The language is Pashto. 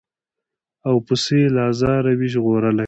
او پسه یې له آزاره وي ژغورلی